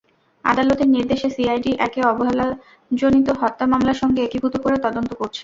আদালতের নির্দেশে সিআইডি একে অবহেলাজনিত হত্যা মামলার সঙ্গে একীভূত করে তদন্ত করছে।